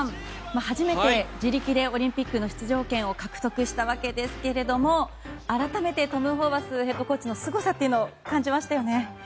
初めて自力でオリンピックの出場権を獲得したわけですけれども改めて、トム・ホーバスヘッドコーチのすごさを感じましたよね。